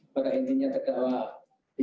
pada intinya cedera warahmat kdma ult